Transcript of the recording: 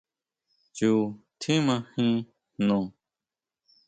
Chu tjímajin jno.